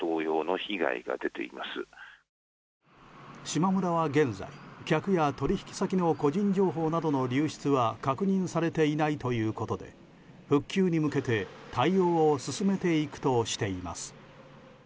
しまむらは現在、客や取引先の個人情報などの流出は確認されていないということで復旧に向けて対応を進めていくとしています。